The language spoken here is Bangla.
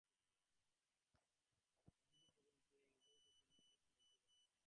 কিছুদূর পর্যন্ত এই উভয়েরই গতি নির্ণীত হইতে পারে।